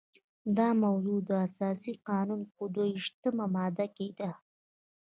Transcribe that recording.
دا موضوع د اساسي قانون په دوه ویشتمه ماده کې ده.